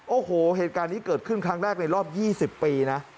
โอ้โหเหตุการณ์นี้เกิดขึ้นครั้งแรกในรอบ๒๐ปีนะ